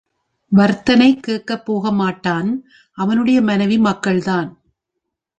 வர்த்தனை கேட்கப் போகமாட்டான் அவனுடைய மனைவி மக்கள் தான்.